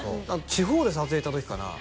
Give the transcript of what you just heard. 地方へ撮影行った時かな？